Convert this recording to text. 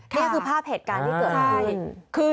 นี่คือภาพเหตุการณ์ที่เกิดขึ้น